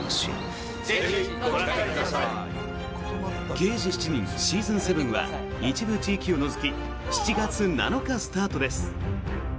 「刑事７人」シーズン７は一部地域を除き７月７日スタートです。